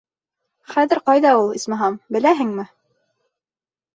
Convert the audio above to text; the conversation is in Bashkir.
Хәҙер ҡайҙа ул, исмаһам, беләһеңме?